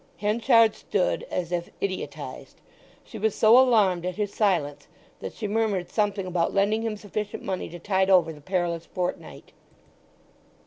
Henchard stood as if idiotized. She was so alarmed at his silence that she murmured something about lending him sufficient money to tide over the perilous fortnight.